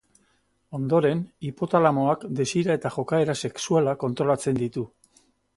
Ondoren, hipotalamoak desira eta jokaera sexuala kontrolatzen ditu.